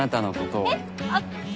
えっあっ。